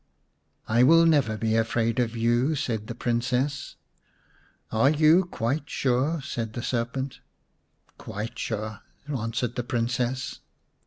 89 The Serpent's Bride vm " I will never be afraid of you," said the Princess. " Are you quite sure ?" said the serpent " Quite sure/' answered the Princess.